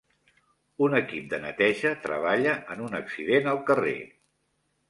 Un equip de neteja treballa en un accident al carrer.